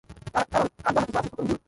কারণ আর যাহা কিছু আছে, সকলই বিলুপ্ত হইবে।